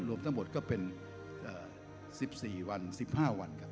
รวมทั้งหมดก็เป็นสิบสี่วันสิบห้าวันครับ